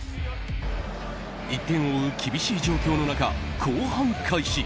１点を追う厳しい状況の中後半開始。